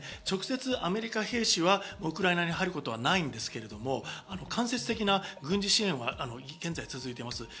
直接、アメリカ兵士はウクライナに入ることはないんですけど、間接的な軍事支援は現在続いています。